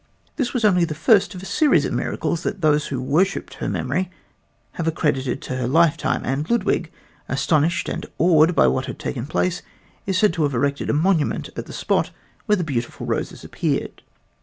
That was only the first of a series of miracles that those who worshipped her memory have accredited to her lifetime, and Ludwig, astonished and awed by what had taken place, is said to have erected a monument at the spot where the beautiful roses appeared.